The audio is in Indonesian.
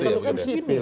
setuju sampai di sini